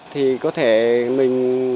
thì có thể mình